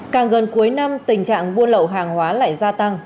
càng gần cuối năm tình trạng buôn lậu hàng hóa lại gia tăng